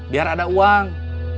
biar ada uang